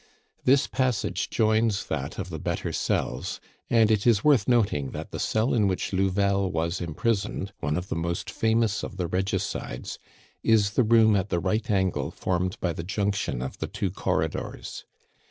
This passage joins that of the better cells; and it is worth noting that the cell in which Louvel was imprisoned, one of the most famous of the regicides, is the room at the right angle formed by the junction of the two corridors.